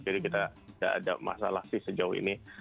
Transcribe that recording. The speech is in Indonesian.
jadi kita gak ada masalah sih sejauh ini